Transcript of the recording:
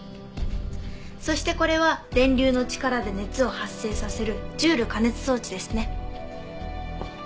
そしてこれは電流の力で熱を発生させるジュール加熱装置ですね。